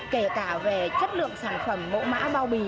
kể cả về chất lượng sản phẩm mẫu mã bao bì